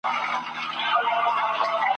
ږغ ته د زمري به د ګیدړو ټولۍ څه وايی!.